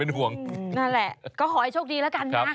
นั่นแหละก็ขอให้โชคดีละกันนะ